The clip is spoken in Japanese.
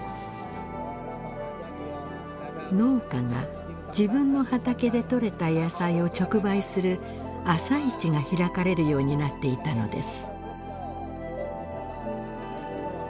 農家が自分の畑で取れた野菜を直売する朝市が開かれるようになっていたのです。